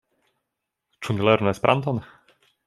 Ĉu ni lernu Esperanton?